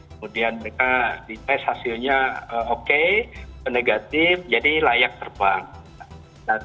kemudian mereka dites hasilnya oke negatif jadi layak terbang